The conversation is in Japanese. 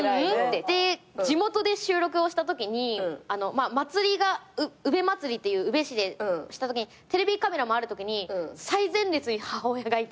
で地元で収録をしたときに祭りが宇部まつりっていう宇部市でしたときにテレビカメラもあるときに最前列に母親がいたんですよ。